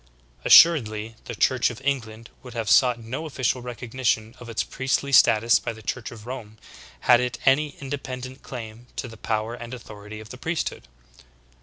Assur edly the Church of England would have sought no official recognition of its priestly status by the Church of Rome had it any independent claim to the power and authority of the priesthood.